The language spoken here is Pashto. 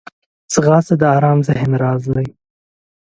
ځغاسته د ارام ذهن راز دی